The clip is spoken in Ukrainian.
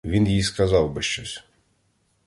Він їй сказав би щось.